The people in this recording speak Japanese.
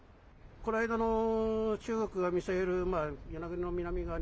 この間の中国がミサイル、与那国の南側に。